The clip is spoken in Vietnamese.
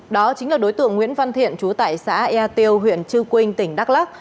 đó chính là đối tượng nguyễn văn thiện chú tại xã ea tiêu huyện trư quynh tỉnh đắk lắc